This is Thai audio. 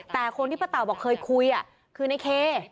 แต่คนที่ป้าเต่าบอกเคยคุยคือในเค